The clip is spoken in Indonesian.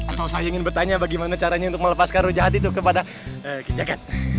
atau saya ingin bertanya bagaimana caranya untuk melepaskan rujat itu kepada gijagat